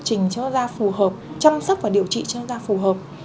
chúng ta có những liệu trình cho da phù hợp chăm sóc và điều trị cho da phù hợp